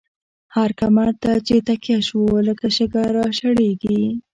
هر کمر ته چی تکیه شوو، لکه شگه را شړیږی